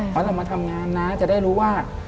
เพราะเรามาทำงานนะจะได้รู้ว่า